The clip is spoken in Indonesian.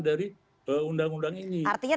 dari undang undang ini